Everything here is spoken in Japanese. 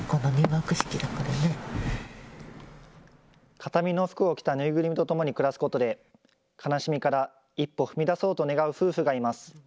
形見の服を着た縫いぐるみとともに暮らすことで悲しみから一歩踏み出そうと願う夫婦がいます。